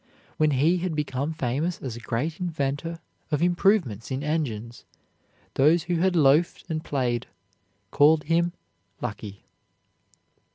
When he had become famous as a great inventor of improvements in engines, those who had loafed and played called him lucky.